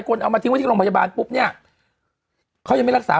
คนเอามาทิ้งไว้ที่โรงพยาบาลปุ๊บเนี่ยเขายังไม่รักษา